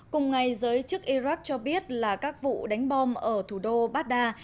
cùng ngày giới chức iraq cho biết là các vụ đánh bom ở thủ đô baghdad